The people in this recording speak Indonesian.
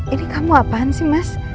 ini kamu apaan sih mas